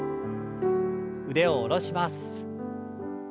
腕を下ろします。